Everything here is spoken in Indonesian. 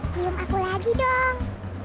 cium aku lagi dong